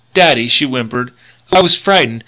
"Daddy," she whimpered, "I was frightened.